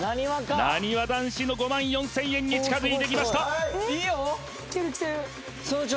なにわ男子の５万４０００円に近づいてきました